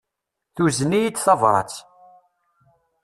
Tuzen-iyi-d tabrat.